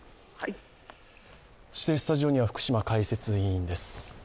スタジオには福島解説委員です。